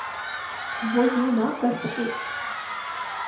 وہ یہ نہ کر سکے۔